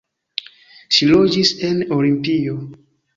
Ŝi loĝis en Olimpio.